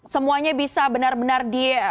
semuanya bisa benar benar